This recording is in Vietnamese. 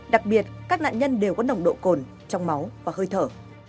đặc biệt các nạn nhân đều có nồng độ cồn trong máu và hơi thở